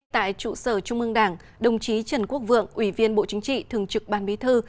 tại trụ sở trung ương đảng đồng chí trần quốc vượng ủy viên bộ chính trị thường trực ban bí thư